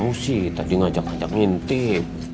mau sih tadi ngajak ngajak ngintip